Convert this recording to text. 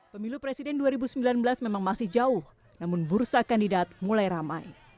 pemilu presiden dua ribu sembilan belas memang masih jauh namun bursa kandidat mulai ramai